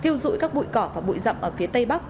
thiêu dụi các bụi cỏ và bụi rậm ở phía tây bắc